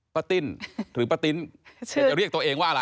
ป้าติ้นหรือป้าติ้นจะเรียกตัวเองว่าอะไร